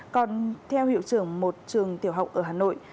còn theo hiệu trưởng một trường tiểu học ở hà nội